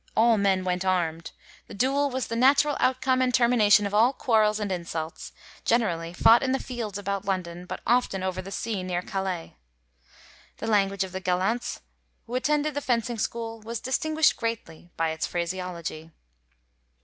All men went armd. The duel was the natural out come and termination of all quarrels and insults, gene rally fought in the fields about London, but often over the sea, near Calais. The language of the gallants who attended the fencing school was distinguisht greatly by its phraseology.